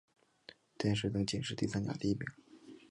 殿试登进士第三甲第一名。